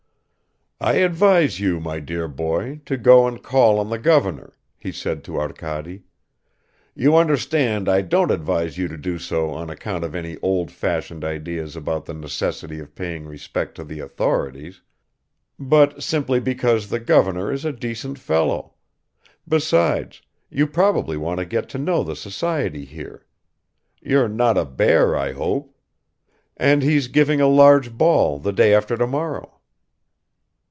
"I advise you, my dear boy, to go and call on the governor," he said to Arkady. "You understand I don't advise you to do so on account of any old fashioned ideas about the necessity of paying respect to the authorities, but simply because the governor is a decent fellow; besides, you probably want to get to know the society here ... You're not a bear, I hope? And he's giving a large ball the day after tomorrow."